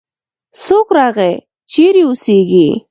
څوک راغی؟ چیرې اوسیږې؟